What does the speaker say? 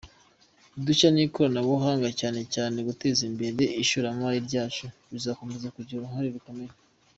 Udushya n’ikoranabuhanga, cyane cyane guteza imbere ishoramari ryacu bizakomeza kugira uruhare rukomeye.